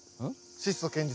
質素堅実？